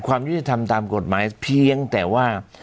ความยุติธรรมตามกฎหมายเพียงแต่ว่า